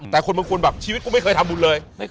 แต่คนบางคนแบบชีวิตกูไม่เคยทำบุญเลย